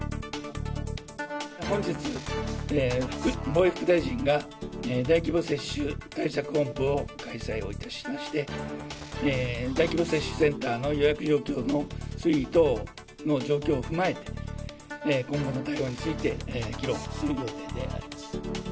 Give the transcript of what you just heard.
本日、防衛副大臣が、大規模接種対策本部を開催をいたしまして、大規模接種センターの予約状況の推移等の状況を踏まえて、今後の対応について議論をする予定であります。